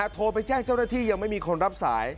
โทรไปแจ้งเจ้าหน้าที่ยังไม่มีคนรับสาย